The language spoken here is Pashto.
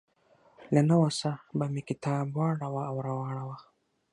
له نه وسه به مې کتاب واړاوه او راواړاوه.